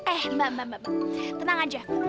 eh mbak mbak tenang aja